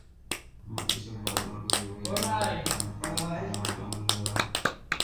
মতি চোখ বড় বড় করিয়া বলিল, তোমার পাট ভালো হয় না বললে ওরা?